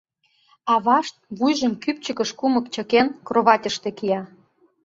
Авашт, вуйжым кӱпчыкыш кумык чыкен, кроватьыште кия.